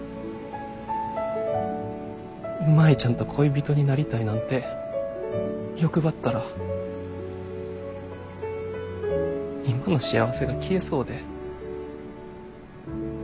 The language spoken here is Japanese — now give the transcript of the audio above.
舞ちゃんと恋人になりたいなんて欲張ったら今の幸せが消えそうで。